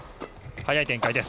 早い展開です。